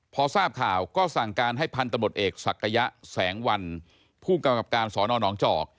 พอทราบข่าวก็สั่งการให้พันธ์ตำรวจเอกศักยะแสงวันพกสนนจอก